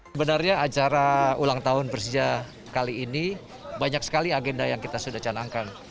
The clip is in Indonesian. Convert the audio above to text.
sebenarnya acara ulang tahun persija kali ini banyak sekali agenda yang kita sudah canangkan